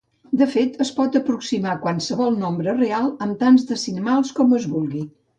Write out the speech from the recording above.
De fet, es pot aproximar qualsevol nombre real amb tants decimals com es vulgui.